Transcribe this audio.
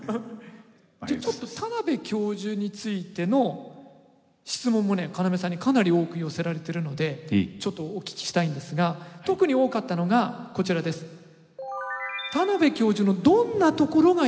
ちょっと田邊教授についての質問もね要さんにかなり多く寄せられてるのでちょっとお聞きしたいんですが特に多かったのがこちらです。え？